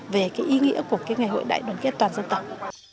về ý nghĩa của ngày hội đại đoàn kết toàn dân tộc